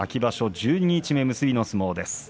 十二日目結びの相撲です。